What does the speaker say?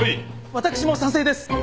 私も賛成です。